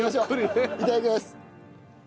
いただきます。